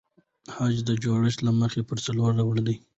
خج د جوړښت له مخه پر څلور ډوله دئ.